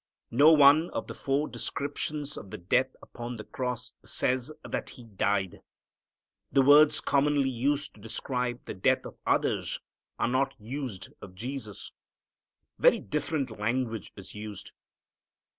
No one of the four descriptions of the death upon the cross says that He died. The words commonly used to describe the death of others are not used of Jesus. Very different language is used.